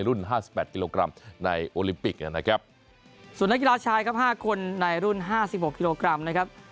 ห้าสิบแปดกิโลกรัมในโอลิมปิกนะครับส่วนนักกีฬาชายครับห้าคนในรุ่นห้าสิบหกกิโลกรัมนะครับ